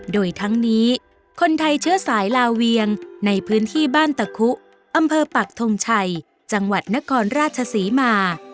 โดยทั้งนี้คนไทยเชื้อสายลาเวียงในพื้นที่บ้านตะคุอำเภอปักทงชัยจังหวัดนครราชศรีมา